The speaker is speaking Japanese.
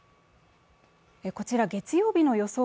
こちら月曜日の予想